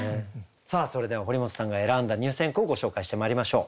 さあそれでは堀本さんが選んだ入選句をご紹介してまいりましょう。